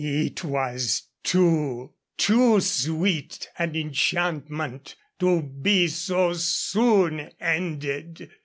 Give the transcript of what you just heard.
"It was too, too sweet an enchantment to be so soon ended."